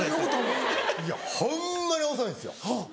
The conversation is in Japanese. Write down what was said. ホンマに遅いんですよ。